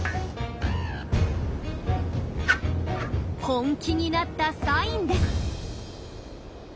本気になったサインです。